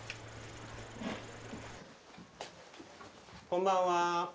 こんばんは。